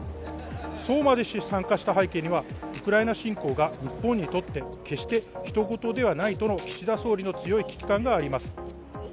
そうまでして参加した背景にはウクライナ侵攻が日本にとって決してひと事ではないとの岸田総理の強い危機感があります。